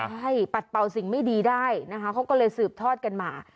ใช่ปัดเป่าสิ่งไม่ดีได้นะคะเขาก็เลยสืบทอดกันมา